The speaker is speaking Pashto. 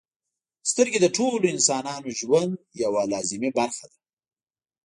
• سترګې د ټولو انسانانو ژوند یوه لازمي برخه ده.